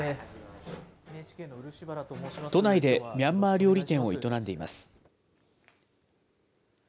都内でミャンマー料理店を営んでいます。